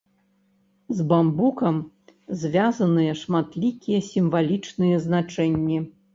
З бамбукам звязаныя шматлікія сімвалічныя значэнні.